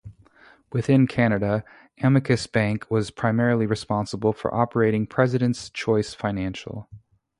Within Canada, Amicus Bank was primarily responsible for operating President's Choice Financial.